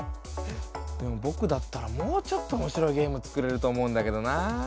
でもぼくだったらもうちょっとおもしろいゲーム作れると思うんだけどなぁ。